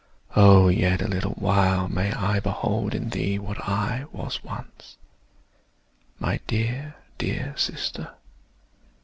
Oh! yet a little while May I behold in thee what I was once, My dear, dear Sister!